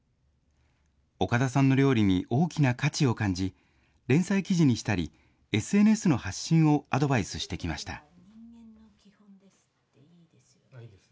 岡田さんの料理に大きな価値を感じ、連載記事にしたり、ＳＮＳの発信をアドバイスしてきました。